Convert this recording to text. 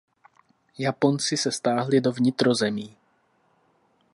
Japonci se stáhli do vnitrozemí.